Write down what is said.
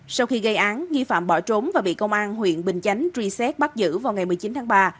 sau khi gây án nghi phạm bỏ trốn và bị công an huyện bình chánh truy xét bắt giữ vào ngày một mươi chín tháng ba